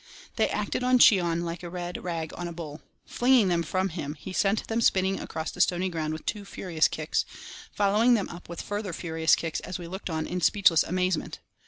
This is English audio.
They acted on Cheon like a red rag on a bull. Flinging them from him, he sent them spinning across the stony ground with two furious kicks, following them up with further furious kicks as we looked on in speechless amazement.